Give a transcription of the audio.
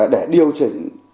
để điều chỉnh những vấn đề này